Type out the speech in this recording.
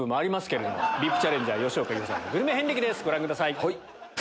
ＶＩＰチャレンジャー吉岡里帆さんのグルメ遍歴ですご覧ください。